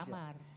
kalau di kamar